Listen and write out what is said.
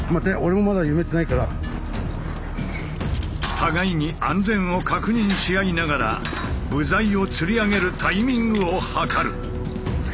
互いに安全を確認し合いながら部材をつり上げるタイミングをはかる。